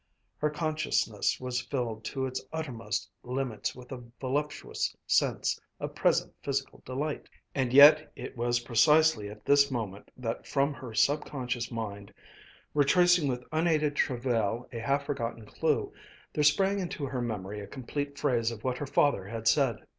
Her consciousness was filled to its uttermost limits with a voluptuous sense of present physical delight. And yet it was precisely at this moment that from her subconscious mind, retracing with unaided travail a half forgotten clue, there sprang into her memory a complete phrase of what her father had said.